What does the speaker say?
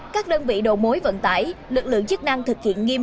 các đơn vị đầu mối vận tải lực lượng chức năng thực hiện nghiêm